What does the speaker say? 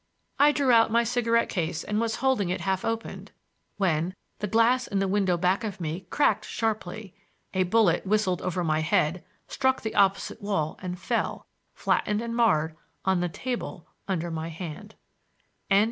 I drew out my cigarette case and was holding it half opened, when the glass in the window back of me cracked sharply, a bullet whistled over my head, struck the opposite wall and fell, flattened and marred, on the table under my hand.